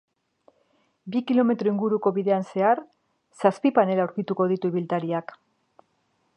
Bi kilometro inguruko bidean zehar, zazpi panel aurkituko ditu ibiltariak.